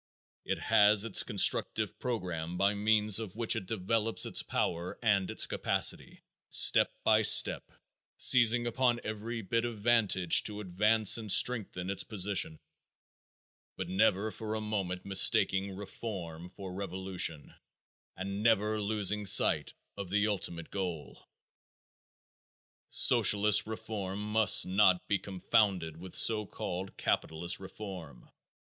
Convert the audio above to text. It has its constructive program by means of which it develops its power and its capacity, step by step, seizing upon every bit of vantage to advance and strengthen its position, but never for a moment mistaking reform for revolution and never losing sight of the ultimate goal. Socialist reform must not be confounded with so called capitalist reform.